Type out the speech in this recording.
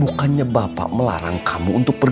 bukannya bapak melarang kamu untuk pergi